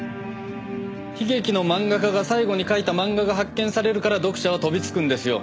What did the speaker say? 悲劇の漫画家が最後に描いた漫画が発見されるから読者は飛びつくんですよ。